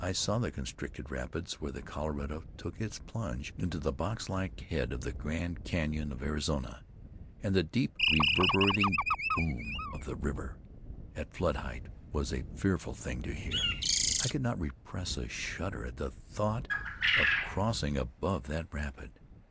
I saw the constricted rapids, where the Colorado took its plunge into the box like head of the Grand Canyon of Arizona; and the deep, reverberating boom of the river, at flood height, was a fearful thing to hear. I could not repress a shudder at the thought of crossing above that rapid.